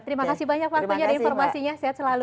terima kasih banyak pak punya informasinya sehat selalu